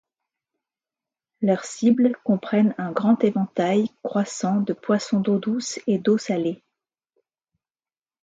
Leurs cibles comprennent un grand éventail croissant de poissons d'eau douce et d'eau salée.